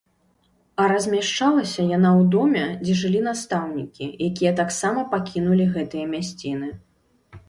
А размяшчалася яна ў доме, дзе жылі настаўнікі, якія таксама пакінулі гэтыя мясціны.